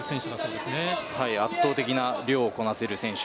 圧倒的な量をこなせる選手